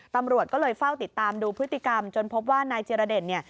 ตำรวจก็เลยเฝ้าติดตามดูพฤติกรรมจนพบว่านายจิรเดชเนี่ย